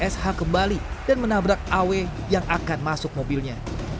sh kembali dan menabrak aw yang akan masuk mobilnya